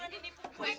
masa lu bang kardun